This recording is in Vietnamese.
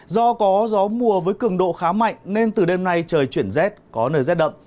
do có gió mùa với cường độ khá mạnh nên từ đêm nay trời chuyển rét có nơi rét đậm